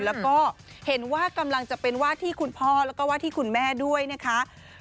แล้วก็เห็นว่ากำลังจะเป็นว่าที่คุณพ่อแล้วก็ว่าที่คุณแม่ด้วยนะคะ